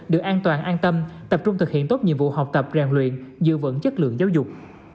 được an toàn an tâm tập trung thực hiện tốt nhiệm vụ học tập rèn luyện giữ vững chất lượng giáo dục